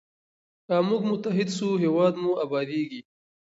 که موږ متحد سو هېواد مو ابادیږي.